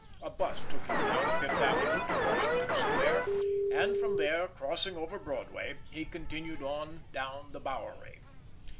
A bus took him down Fifth Avenue to Washington Square, and from there, crossing over Broadway, he continued on down the Bowery.